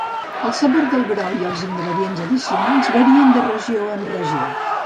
El sabor del brou i els ingredients addicionals varien de regió en regió.